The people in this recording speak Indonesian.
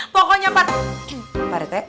pokoknya pak rete